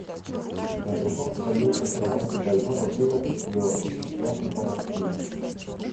На другом столе у кровати больного было питье, свеча и порошки.